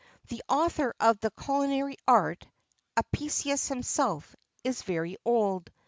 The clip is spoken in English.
The author of the "Culinary Art," Apicius himself, is very old.